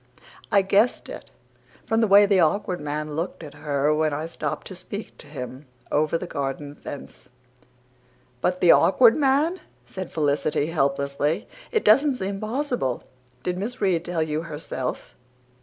I guessed it from the way the Awkward Man looked at her when I stopped to speak to him over his garden fence." "But the Awkward Man!" said Felicity helplessly. "It doesn't seem possible. Did Miss Reade tell you HERSELF?"